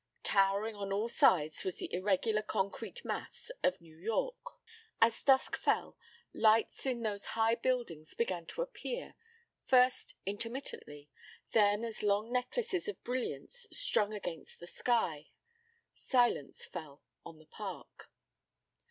Towering on all sides was the irregular concrete mass of New York. As dusk fell, lights in those high buildings began to appear, first intermittently, then as long necklaces of brilliants strung against the sky. Silence fell on the Park.